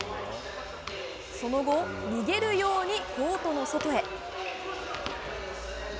その後、逃げるようにコートの外へ。